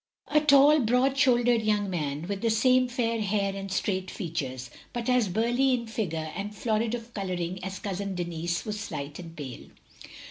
A tall, broad shouldered young man, with the same fair hair and straight features, but as burly in figure and florid of colouring as Cousin Denis was slight and pale.